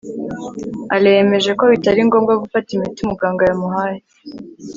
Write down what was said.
alain yemeje ko bitari ngombwa gufata imiti umuganga yamuhaye